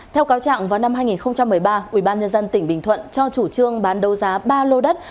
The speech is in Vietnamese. theo cáo trạng vào năm hai nghìn một mươi ba ubnd tỉnh bình thuận cho chủ trương bán đấu giá ba lô đất